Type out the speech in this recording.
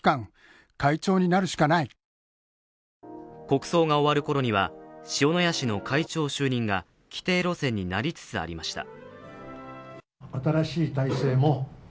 国葬が終わるころには、塩谷氏の会長就任が既定路線になりつつありました。